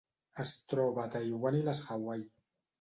Es troba a Taiwan i les Hawaii.